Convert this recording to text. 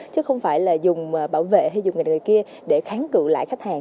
chứ không phải là dùng bảo vệ hay dùng cái người kia để kháng cự lại khách hàng